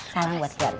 salam buat keluarga